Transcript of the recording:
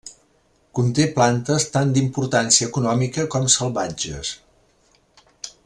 Conté plantes tant d’importància econòmica com salvatges.